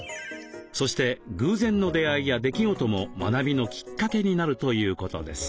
そして偶然の出会いや出来事も学びのきっかけになるということです。